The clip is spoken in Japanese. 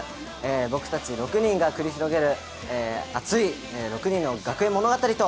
僕たち６人が繰り広げる熱い６人の学園物語と。